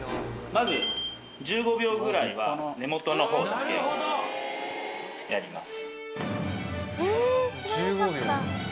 まず１５秒ぐらいは根元の方だけをやります。